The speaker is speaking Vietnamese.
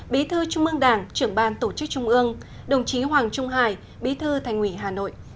bí thư trung ương đảng trưởng ban tổ chức trung ương đồng chí hoàng trung hải bí thư thành ủy hà nội